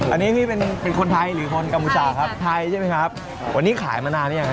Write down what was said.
อันนี้พี่เป็นเป็นคนไทยหรือคนกัมพูชาครับไทยใช่ไหมครับวันนี้ขายมานานหรือยังครับ